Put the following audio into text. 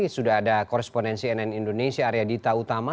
sudah ada korespondensi nn indonesia arya dita utama